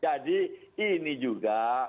jadi ini juga